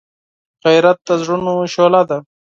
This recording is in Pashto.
غیرت د زړونو شعله ده